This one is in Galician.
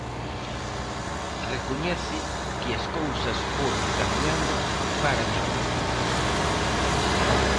Recoñece que as cousas foron cambiando para mellor.